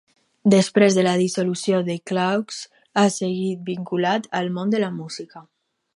Després de la dissolució de Glaucs, ha seguit vinculat al món de la música.